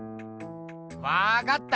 わかった！